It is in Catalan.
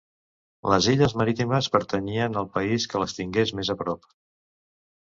Les illes marítimes pertanyien al país que les tingués més a prop.